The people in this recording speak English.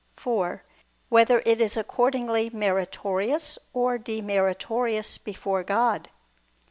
(4) Whether it is accordingly meritorious or demeritorious before God?